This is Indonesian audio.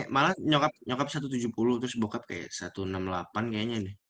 malah nyokap nyokap satu ratus tujuh puluh terus bokap kayak satu ratus enam puluh delapan kayaknya ini